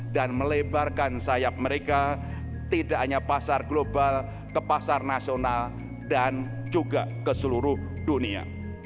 dan melebarkan sayap mereka tidak hanya pasar global ke pasar nasional dan juga ke seluruh dunia